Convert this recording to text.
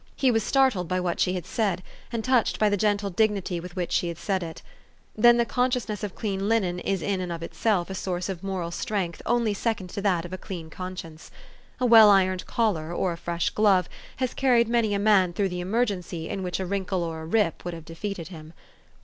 He was startled by what she had said, and touched by the gentle dig nity with which she had said it. Then the con sciousness of clean linen is in and of itself a source of moral strength only second to that of a clean con science. A well ironed collar, or a fresh glove, has carried many a man through the emergency in which 354 THE STORY OF AVIS. a wrinkle or a .rip would have defeated him.